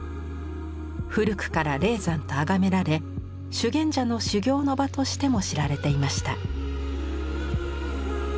古くから霊山と崇められ修験者の修行の場としても知られていました。